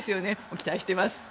期待しています。